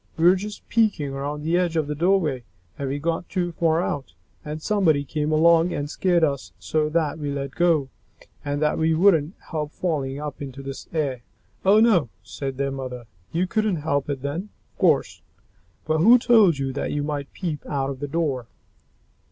We were just peeking around the edge of the doorway, and we got too far out, and somebody came along and scared us so that we let go, and then we couldn't help falling up into the air." "Oh, no," said their mother, "you couldn't help it then, of course. But who told you that you might peep out of the door?"